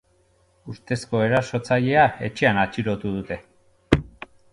Ustezko erasotzailea etxean atxilotu dute.